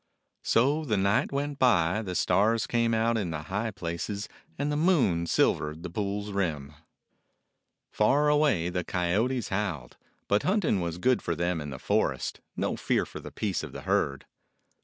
So the night went by, the stars came out in the high places, and the moon silvered the pool's rim. Far away the coyotes howled, but hunting was good for them in the forest; no fear for the peace of the herd.